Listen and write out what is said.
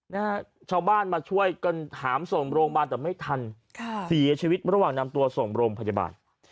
นะฮะชาวบ้านมาช่วยกันหามส่งโรงพยาบาลแต่ไม่ทันค่ะเสียชีวิตระหว่างนำตัวส่งโรงพยาบาล